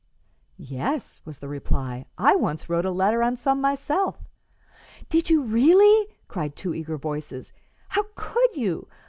"Yes," was the reply; "I once wrote a letter on some myself." "Did you really?" cried two eager voices. "How could you?